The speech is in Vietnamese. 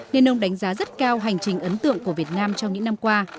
nên ông đánh giá rất cao hành trình ấn tượng của việt nam trong những năm qua